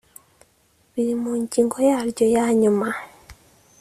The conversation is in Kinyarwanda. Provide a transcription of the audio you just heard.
biri mu ngingo yaryo ya nyuma